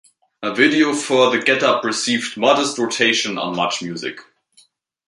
A video for "The Get Up" received modest rotation on Much Music.